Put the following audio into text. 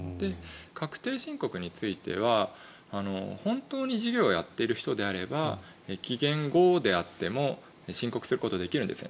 確定申告については本当に事業をやっている人であれば期限後であっても申告することはできます